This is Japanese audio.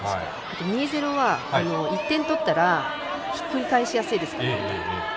２−０は１点取ったらひっくり返しやすいですから。